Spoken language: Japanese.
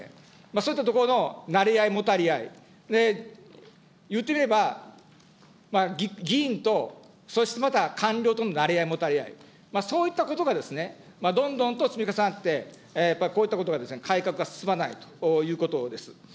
そういったところのなれ合い、もたれ合い、言ってみれば、議員と、そしてまた官僚とのなれ合い、もたれ合い、そういったことがですね、どんどんと積み重なって、やっぱりこういったことが改革が進まないということです。